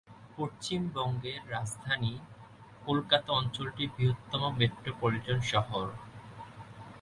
পশ্চিমবঙ্গের রাজধানী কলকাতা অঞ্চলটির বৃহত্তম মেট্রোপলিটান শহর।